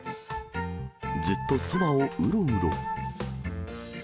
ずっとそばをうろうろ。